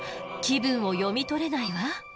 気分を読み取れないわ。